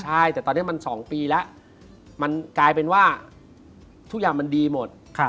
ใช่แต่ตอนนี้มัน๒ปีแล้วมันกลายเป็นว่าทุกอย่างมันดีหมด